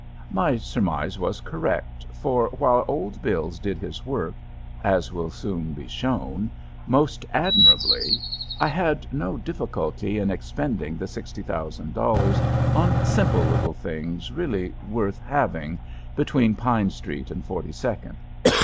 My surmise was correct, for, while Old Bills did his work, as will soon be shown, most admirably, I had no difficulty in expending the $60,000 on simple little things really worth having, between Pine Street and Forty second.